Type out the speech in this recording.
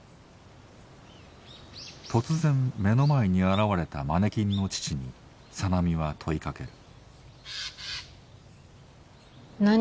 突然目の前に現れたマネキンの父に小波は問いかける。